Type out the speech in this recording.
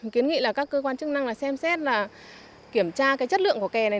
kiến nghị là các cơ quan chức năng là xem xét là kiểm tra cái chất lượng của kè này